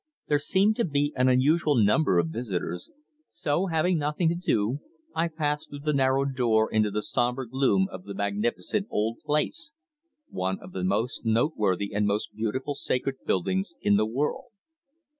There seemed to be an unusual number of visitors, so having nothing to do I passed through the narrow door into the sombre gloom of the magnificent old place one of the most noteworthy and most beautiful sacred buildings in the world.